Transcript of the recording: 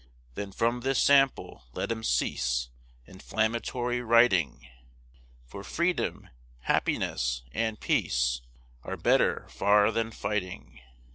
Then from this sample, let 'em cease Inflammatory writing; For freedom, happiness, and peace, Are better far than fighting.